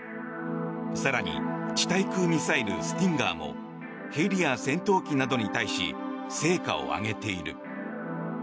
更に地対空ミサイルスティンガーもヘリや戦闘機などに対し成果を上げている。